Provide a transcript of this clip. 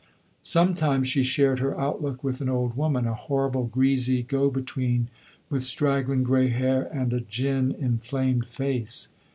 Sometimes she shared her outlook with an old woman a horrible, greasy go between, with straggling grey hair and a gin inflamed face.